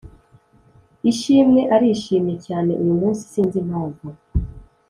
ishimwe arishimye cyane uyu munsi sinzi impamvu